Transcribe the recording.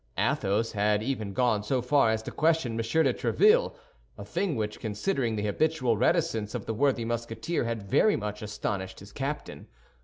Athos had even gone so far as to question M. de Tréville—a thing which, considering the habitual reticence of the worthy Musketeer, had very much astonished his captain.